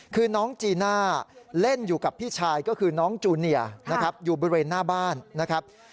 คือน้องจีน่าเล่นอยู่กับพี่ชายก็คือน้องจูเนียนะครับอยู่บริเวณหน้าบ้านนะครับ